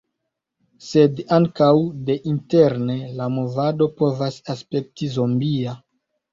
Sed ankaŭ deinterne la movado povas aspekti zombia.